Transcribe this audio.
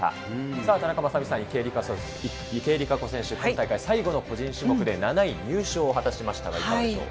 さあ田中雅美さん、池江璃花子選手、今大会最後の個人種目で７位入賞を果たしましたが、いかがでしょう。